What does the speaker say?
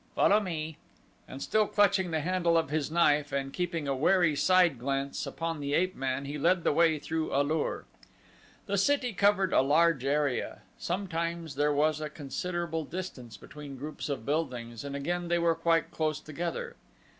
Follow me," and still clutching the handle of his knife and keeping a wary side glance upon the ape man he led the way through A lur. The city covered a large area. Sometimes there was a considerable distance between groups of buildings, and again they were quite close together.